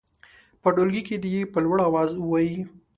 په ټولګي کې دې یې په لوړ اواز ووايي.